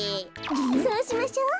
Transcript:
そうしましょう。